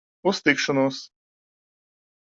Uz tikšanos!